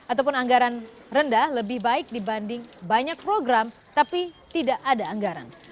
ataupun anggaran rendah lebih baik dibanding banyak program tapi tidak ada anggaran